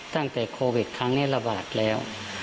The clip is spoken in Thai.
ตั้งแต่โควิดครั้งนี้ระบาดแล้ว